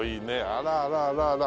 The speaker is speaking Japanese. あらあらあらあら。